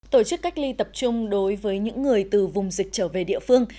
tổ chức cách ly tập trung đối với những người từ vùng dịch trở về địa phương